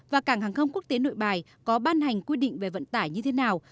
và cảng hàng không quốc tế nội bài có ban hành quy định về vận tải như thế nào